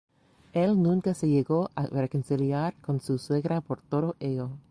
Él nunca se llegó a reconciliar con su suegra por todo ello.